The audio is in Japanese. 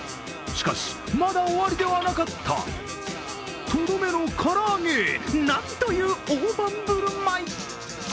しかし、まだ終わりではなかったとどめの唐揚げ、なんという大盤振る舞い。